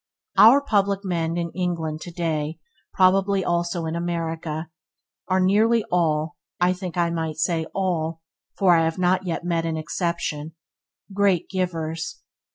Our public men in England to day (probably also in America) are nearly all (I think I might say all, for I have not yet met an exception) great givers.